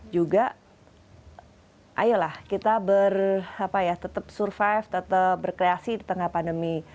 juga ayolah kita tetap survive tetap berkreasi di tengah pandemi